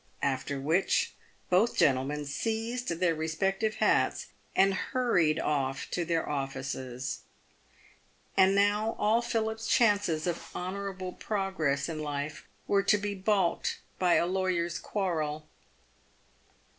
After which, both gentlemen seized their respective hats, and hurried off to their offices. And now all Philip's chances of honourable progress in life were to be balked by a lawyers' quarrel.